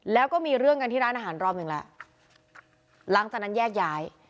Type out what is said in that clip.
แล้วก็มีเรื่องกันที่ร้านอาหารรอบหนึ่งแล้วหลังจากนั้นแยกย้าย